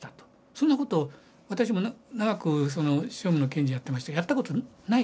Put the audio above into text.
そんなこと私も長く訟務の検事やってましたけどやったことない。